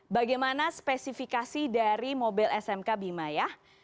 bagaimana spesifikasi dari mobil smk bima ya